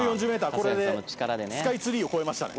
これでスカイツリーを超えましたね。